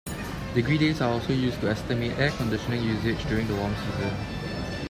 Degree Days are also used to estimate air conditioning usage during the warm season.